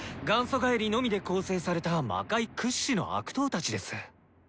「元祖返り」のみで構成された魔界屈指の悪党たちです。